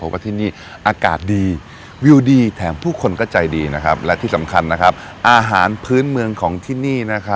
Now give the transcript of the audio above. ประสิทธิ์ที่สำคัญอาหารพื้นเมืองของที่นี่